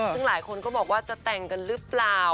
ซึ่งหลายคนก็บอกว่าจะแต่งกันหรือเปล่า